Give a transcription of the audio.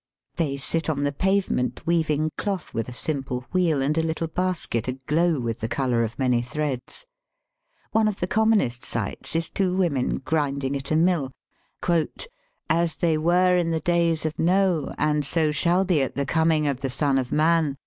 They sit on the pavement, weaving cloth with a simple wheel and a little basket aglow with the colour of. many threads. One of the commonest sights is two women grind ing at a mill, *' as they were in the days of Noe, and so shall be at the coming of the Son of Man